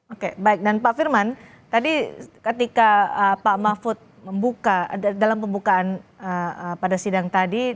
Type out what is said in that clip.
oke baik dan pak firman tadi ketika pak mahfud membuka dalam pembukaan pada sidang tadi